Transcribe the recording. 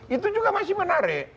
itu juga masih menarik